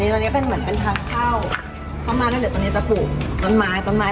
นี่แล้วอันนี้เป็นเหมือนเป็นทางเข้าจะปลูกต้นไม้ปลูกต้นไม้เยอะมากเพราะว่ามายจะชอบต้นไม้